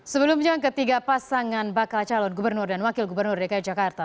sebelumnya ketiga pasangan bakal calon gubernur dan wakil gubernur dki jakarta